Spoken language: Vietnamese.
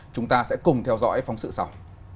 chúng ta sẽ cùng theo dõi phóng sự sau